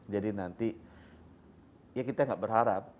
jadi nanti ya kita nggak berharap